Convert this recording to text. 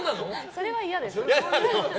それは嫌です。